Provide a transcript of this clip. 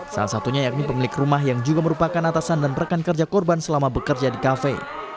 salah satunya yakni pemilik rumah yang juga merupakan atasan dan rekan kerja korban selama bekerja di kafe